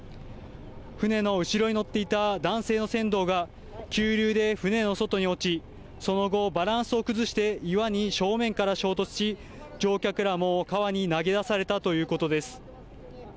船の後ろに乗っていた男性の船頭が急流で船の外に落ち、その後、バランスを崩して岩に正面から衝突し、乗客らも川に投げ出されたということです。